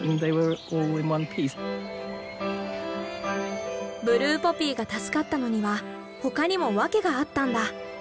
ブルーポピーが助かったのには他にもわけがあったんだ。